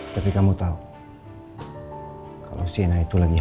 tapi kamu tahu kalau sienna itu lagi hangat